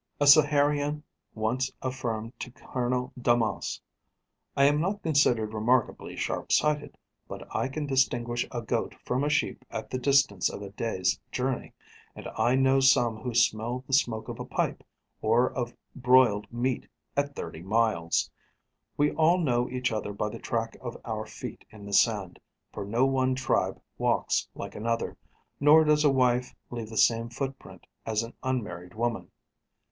A Saharian once affirmed to Colonel Daumas: 'I am not considered remarkably sharp sighted, but I can distinguish a goat from a sheep at the distance of a day's journey; and I know some who smell the smoke of a pipe, or of broiled meat, at thirty miles! We all know each other by the track of our feet in the sand, for no one tribe walks like another, nor does a wife leave the same footprint as an unmarried woman.